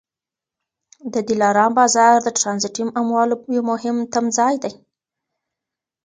د دلارام بازار د ټرانزیټي اموالو یو مهم تمځای دی.